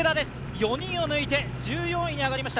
４人を抜いて１４位に上がりました。